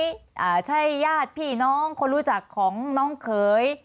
มีปะไหมใช้ญาติพี่น้องคนรู้จักของน้องเคย